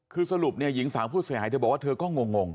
คือสรุปเนี่ยหญิงสาวผู้เสียหายเธอบอกว่าเธอก็งง